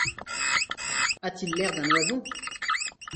A-t-il l’air d’un oison !